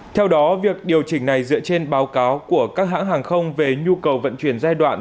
theo đó việc điều chỉnh này dựa trên báo cáo của các hãng hàng không về nhu cầu vận chuyển giai đoạn